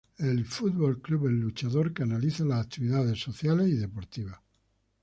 El Football Club El Luchador canaliza la actividades sociales y deportivas.